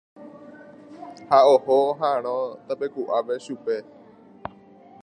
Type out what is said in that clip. Ha oho oha'ãrõ tapeku'ápe chupe.